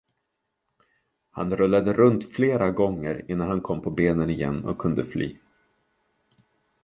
Han rullade runt flera gånger, innan han kom på benen igen och kunde fly.